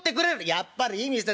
やっぱりいい店だ